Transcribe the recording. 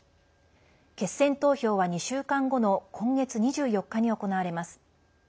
決選投票は２週間後の今月２４日に行われます。